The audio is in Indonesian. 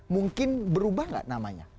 mungkin berubah enggak namanya